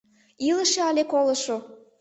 Илыше але колышо?